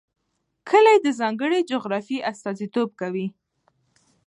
کلي د ځانګړې جغرافیې استازیتوب کوي.